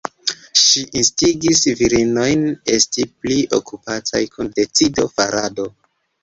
Ŝi instigis virinojn esti pli okupataj kun decido-farado.